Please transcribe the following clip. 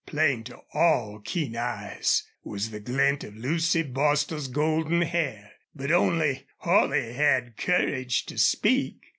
Plain to all keen eyes was the glint of Lucy Bostil's golden hair. But only Holley had courage to speak.